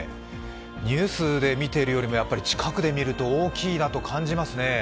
ニュースで見ているよりも近くで見ると大きいなと感じますね。